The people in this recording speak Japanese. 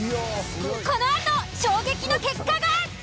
このあと衝撃の結果が。